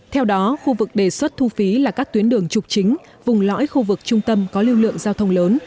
theo đó khu vực đề xuất thu phí là các tuyến đường trục chính vùng lõi khu vực trung tâm có lưu lượng giao thông lớn